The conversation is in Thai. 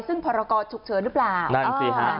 ซึ่งพรากอดถูกเฉินหรือเปล่า